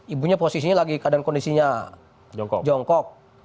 ibunya posisinya lagi keadaan kondisinya jongkok